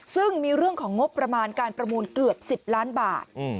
ซึ่งมีเรื่องของงบประมาณการประมูลเกือบ๑๐ล้านบาท